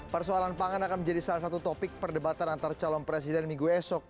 persoalan pangan akan menjadi salah satu topik perdebatan antar calon presiden minggu esok